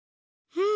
うん？